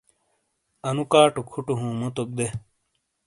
اَنُو کاٹو کھُوٹو ہُوں، مُوتوق دے۔